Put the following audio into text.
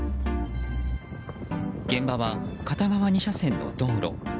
現場は片側２車線の道路。